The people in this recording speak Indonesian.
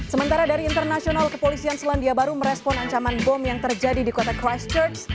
sementara dari internasional kepolisian selandia baru merespon ancaman bom yang terjadi di kota christchurch